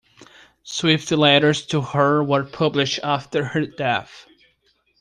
Swift's letters to her were published after her death.